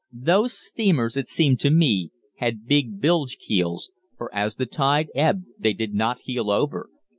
Those steamers, it seemed to me, had big bilge keels, for as the tide ebbed they did not heel over.